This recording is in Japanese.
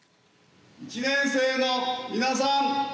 １年生の皆さん。